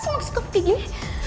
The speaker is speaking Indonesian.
kenapa semua suka seperti gini